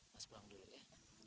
mas pulang dulu ya